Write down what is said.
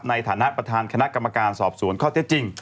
ในฐานะประธานคณะกรรมการสอบสวนข้อเท็จจริง